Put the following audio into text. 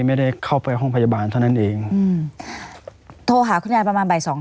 ไม่ได้เข้าไปห้องพยาบาลเท่านั้นเองอืมโทรหาคุณยายประมาณบ่ายสอง